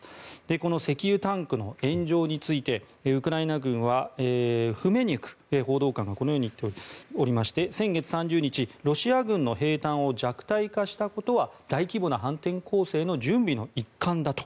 この石油タンクの炎上についてウクライナ軍はフメニュク報道官がこのように言っておりまして先月３０日、ロシア軍の兵たんを弱体化したことは大規模な反転攻勢の準備の一環だと。